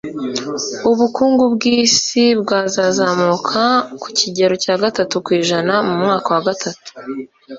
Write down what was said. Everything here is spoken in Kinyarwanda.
ubukungu bw' isi bwazazamuka ku kigero cya gatatu kw'ijana mu mwaka wa gatatu